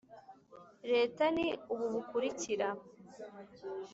Leta ni ubu bukurikira